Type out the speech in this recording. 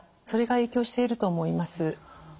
それが影響していると思います。